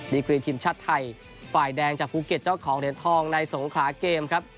กรีทีมชาติไทยฝ่ายแดงจากภูเก็ตเจ้าของเหรียญทองในสงขลาเกมครับ